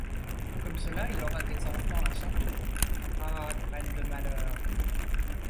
Comme cela, il aura des enfants à son tour. — Ah! graine de malheur !